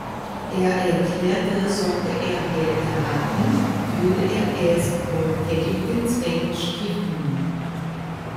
Er erklärte, sollte er Geld erhalten, würde er es wohltätigen Zwecken stiften.